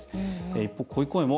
一方、こういう声も。